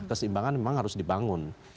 keseimbangan memang harus dibangun